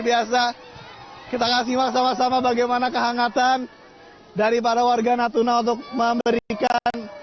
biasa kita akan simak sama sama bagaimana kehangatan dari para warga natuna untuk memberikan